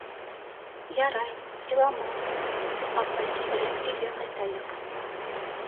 — Ярай, иламам, тик, апай, тиҙерәк өйгә ҡайтайыҡ.